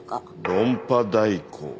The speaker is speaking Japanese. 論破代行。